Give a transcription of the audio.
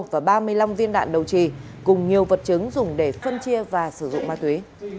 và ba mươi năm viên đạn đầu trì cùng nhiều vật chứng dùng để phân chia và sử dụng ma túy